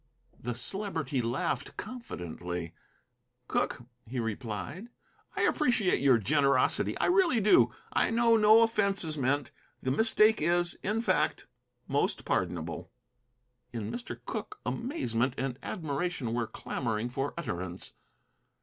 The Celebrity laughed confidently. "Cooke," he replied, "I appreciate your generosity, I really do. I know no offence is meant. The mistake is, in fact, most pardonable." In Mr. Cooke amazement and admiration were clamoring for utterance.